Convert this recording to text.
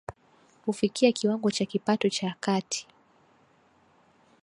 kufikia kiwango cha kipato cha kati